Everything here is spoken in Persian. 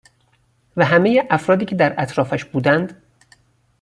و همه ی افرادی که در اطرافش بودند،